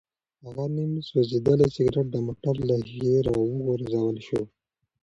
هغه نیم سوځېدلی سګرټ د موټر له ښیښې راوغورځول شو.